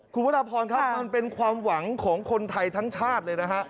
คุณพระราพรครับมันเป็นความหวังของคนไทยทั้งชาติเลยนะฮะ